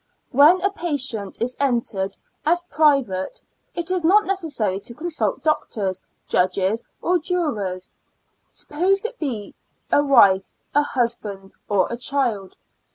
When a patient is entered as ^private, it is not necessary to consult doctors, judges or jurors. Suppose it to be a wife, a husband, or a child.